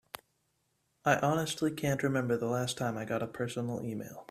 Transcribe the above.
I honestly can't remember the last time I got a personal email.